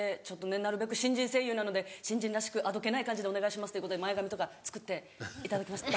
なるべく新人声優なので新人らしくあどけない感じでお願いしますってことで前髪とか作っていただきました。